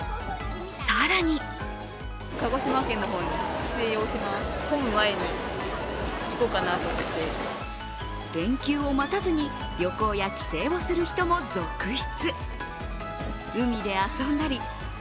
更に連休を待たずに旅行や帰省をする人も続出。